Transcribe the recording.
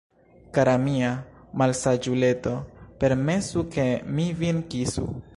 Kara mia malsaĝuleto, permesu, ke mi vin kisu!